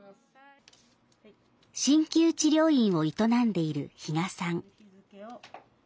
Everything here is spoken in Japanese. しんきゅう治療院を営んでいる比嘉さん。